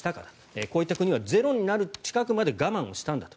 こういった国はゼロ近くになるまで我慢したんだと。